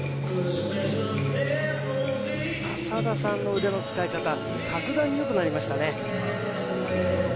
浅田さんの腕の使い方格段によくなりましたね